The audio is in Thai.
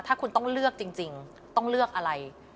ถ้าคุณต้องเลือกจริงต้องเลือกอะไร